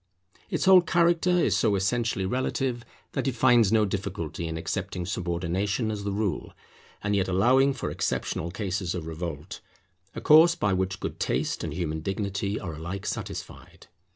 Its whole character is so essentially relative, that it finds no difficulty in accepting subordination as the rule, and yet allowing for exceptional cases of revolt; a course by which good taste and human dignity are alike satisfied.